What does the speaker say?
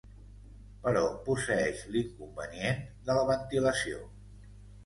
Però posseeix l'inconvenient de la ventilació.